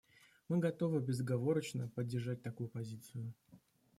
Мы готовы безоговорочно поддержать такую позицию.